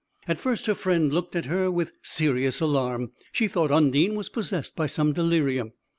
At first her friend looked at her with serious alarm; she thought Undine was possessed by some delirium.